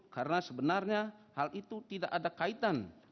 karena sebenarnya hal itu tidak ada kaitan